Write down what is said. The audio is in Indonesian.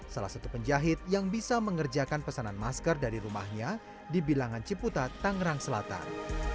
salah satu penjahit yang bisa mengerjakan pesanan masker dari rumahnya di bilangan ciputa tangerang selatan